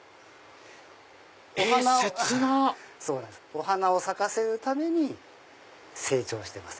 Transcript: お花を咲かせるために成長してます